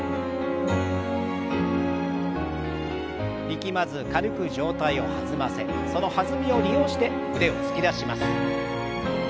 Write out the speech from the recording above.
力まず軽く上体を弾ませその弾みを利用して腕を突き出します。